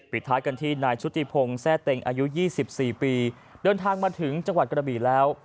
ท้ายกันที่นายชุติพงศ์แทร่เต็งอายุ๒๔ปีเดินทางมาถึงจังหวัดกระบี่แล้ว